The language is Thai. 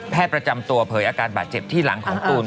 ประจำตัวเผยอาการบาดเจ็บที่หลังของตูน